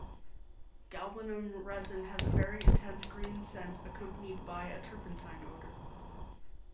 Galbanum resin has a very intense green scent accompanied by a turpentine odor.